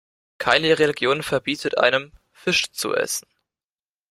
Keine Religion verbietet einem, Fisch zu essen.